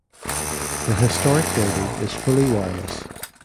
The historic building is fully wireless.